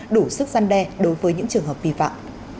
đủ sức gian đe đối với những trường hợp vi phạm